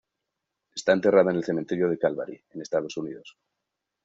Está enterrada en el cementerio de Calvary, en Estados Unidos.